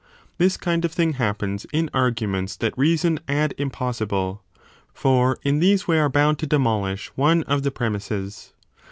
This kind of thing happens in arguments that reason ad impossibile : for in these we are bound to demolish one of the premisses.